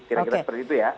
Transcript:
kira kira seperti itu ya